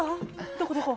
どこどこ？